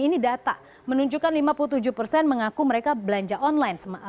ini data menunjukkan lima puluh tujuh persen mengaku mereka belanja online